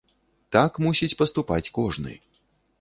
Так мусіць паступаць кожны.